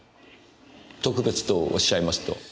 特別とおっしゃいますと？